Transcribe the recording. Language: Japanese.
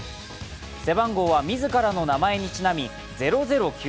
背番号は自らの名前にちなみ００９６。